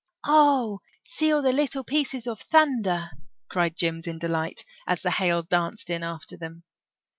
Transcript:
"Oh, see all the little pieces of thunder," cried Jims in delight, as the hail danced in after them.